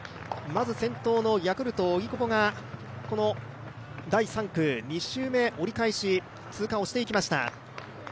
先頭のヤクルト、荻久保が第３区２周目、折り返し、通過をしていきました。